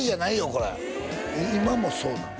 これ今もそうなん？